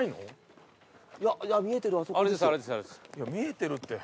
いや「見えてる」って。